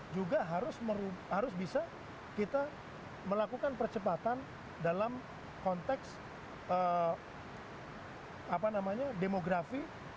juga harus bisa kita melakukan percepatan dalam konteks demografi